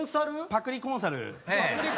パクりコンサル？